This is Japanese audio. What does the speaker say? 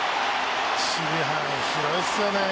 守備範囲広いですよね。